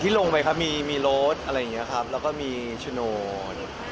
ที่ลงไปมีรถมีโชน